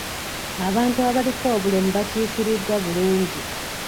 Abantu abaliko obulemu bakiikiriddwa bulungi.